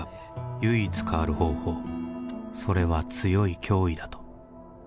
「唯一変わる方法」「それは強い脅威だと」